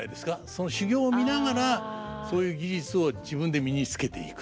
その修業を見ながらそういう技術を自分で身につけていくという。